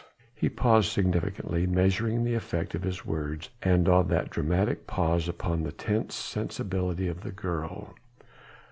He paused significantly, measuring the effect of his words and of that dramatic pause upon the tense sensibilities of the girl.